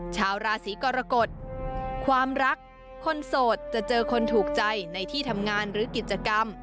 ชาวราศีกรกฎความรักคนโสดจะเจอคนถูกใจในที่ทำงานหรือกิจกรรม